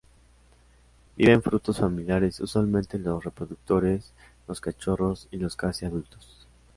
Vive en grupos familiares, usualmente los reproductores, los cachorros y los casi adultos.